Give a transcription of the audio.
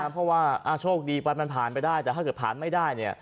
เพราะว่าโชคดีว่ามันผ่านไปได้ถ้าแผ่นไม่ได้